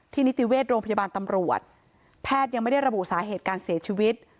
นิติเวชโรงพยาบาลตำรวจแพทย์ยังไม่ได้ระบุสาเหตุการเสียชีวิต